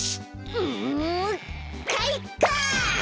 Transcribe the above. んかいか！